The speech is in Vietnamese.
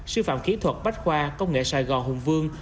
sư phạm kỹ thuật bách khoa công nghệ sài gòn hùng vương